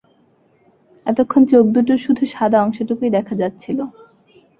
এতক্ষণ চোখদুটোর শুধু সাদা অংশটুকুই দেখা যাচ্ছিল।